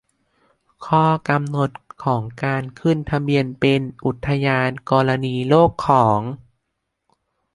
ข้อกำหนดของการขึ้นทะเบียนเป็นอุทยานธรณีโลกของ